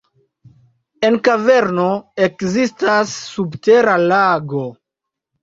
En kaverno ekzistas subtera lago.